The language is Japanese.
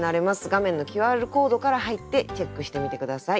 画面のＱＲコードから入ってチェックしてみて下さい。